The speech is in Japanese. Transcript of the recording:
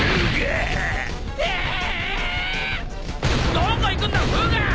どこ行くんだ二牙！